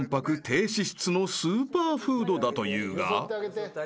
低脂質のスーパーフードだというが］